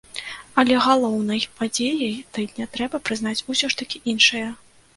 Але галоўнай падзеяй тыдня трэба прызнаць усё ж такі іншае.